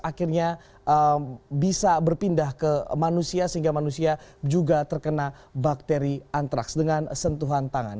akhirnya bisa berpindah ke manusia sehingga manusia juga terkena bakteri antraks dengan sentuhan tangan